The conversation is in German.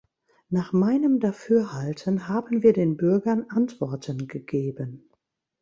Nach meinem Dafürhalten haben wir den Bürgern Antworten gegeben.